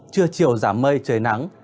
chưa chiều giảm mây trời nắng